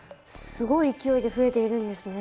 すごい勢いで増えているんですね。